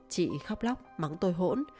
chị khóc lóc mắng tôi hỗn